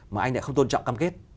mà anh lại không tôn trọng cam kết